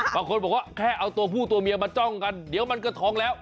บางคนบอกว่าแค่เอาตัวผู้ตัวเมียมาจ้องกันเดี๋ยวมันก็ท้องแล้ว